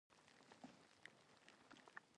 دا بې له شکه د فرنیچر پولیس دي